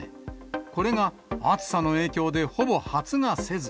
これが暑さの影響でほぼ発芽せず。